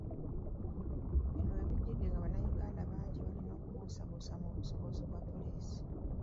Bino we bijjidde nga bannayuganda bangi balina okubuusabuusa mu busobozi bwa poliisi.